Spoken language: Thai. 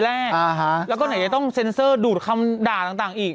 แล้วก็ไหนจะต้องเซ็นเซอร์ดูดคำด่าต่างอีก